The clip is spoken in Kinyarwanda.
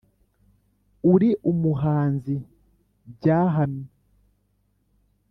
uri umuhanzi byahamye